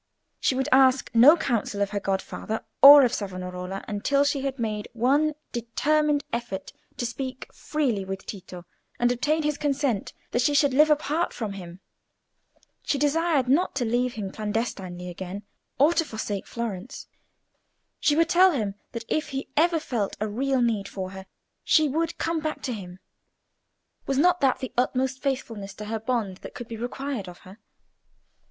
She would ask no counsel of her godfather or of Savonarola until she had made one determined effort to speak freely with Tito and obtain his consent that she should live apart from him. She desired not to leave him clandestinely again, or to forsake Florence. She would tell him that if he ever felt a real need of her, she would come back to him. Was not that the utmost faithfulness to her bond that could be required of her?